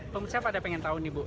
pengusaha pada pengen tahu nih bu